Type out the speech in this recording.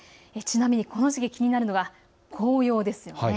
この時期、気になるのが紅葉ですよね。